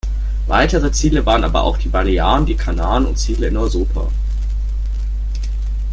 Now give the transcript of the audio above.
Weitere Ziele waren aber auch die Balearen, die Kanaren und Ziele in Europa.